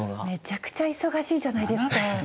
めちゃくちゃ忙しいじゃないですか。